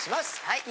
はい。